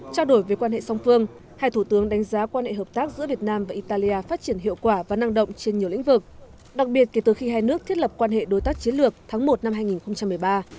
trao đổi về quan hệ song phương hai thủ tướng đánh giá quan hệ hợp tác giữa việt nam và italia phát triển hiệu quả và năng động trên nhiều lĩnh vực đặc biệt kể từ khi hai nước thiết lập quan hệ đối tác chiến lược tháng một năm hai nghìn một mươi ba